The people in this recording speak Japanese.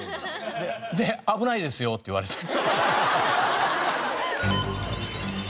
で危ないですよって言われた。